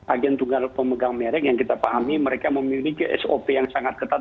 agen tunggal pemegang merek yang kita pahami mereka memiliki sop yang sangat ketat